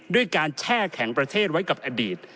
ด้วยการแช่แข็งประเทศไว้กับอดีต